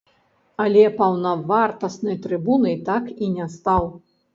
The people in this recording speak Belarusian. Але паўнавартаснай трыбунай так і не стаў.